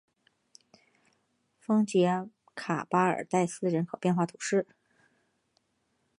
丰捷卡巴尔代斯人口变化图示